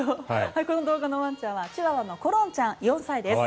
この動画のワンちゃんはチワワのコロンちゃん４歳です。